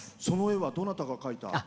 その絵はどなたが描いた？